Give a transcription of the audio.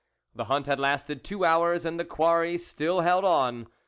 The hunt had lasted two hours, and the quarry still held on.